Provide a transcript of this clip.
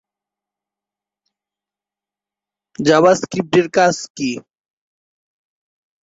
গান্ধী ও জওহরলাল নেহেরু উভয়ই হিন্দুস্তানী সমর্থক ছিলেন এবং কংগ্রেস ভারতের অ-হিন্দিভাষী প্রদেশগুলিতে হিন্দুস্তানি শেখার প্রচলন করতে চেয়েছিলেন।